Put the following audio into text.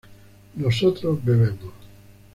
nosotros bebemos